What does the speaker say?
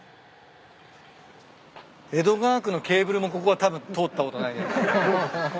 江戸川区のケーブルもここはたぶん通ったことないね。